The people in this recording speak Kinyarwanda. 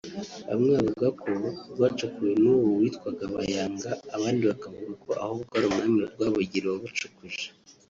Bamwe bavuga ko rwacukuwe n’uwo witwaga "Bayanga" abandi bakavuga ko ahubwo ari umwami Rwabugiri warucukuje